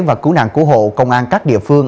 và cú nạn cú hộ công an các địa phương